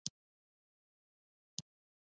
آزاد تجارت مهم دی ځکه چې مرزونه کمزوري کوي.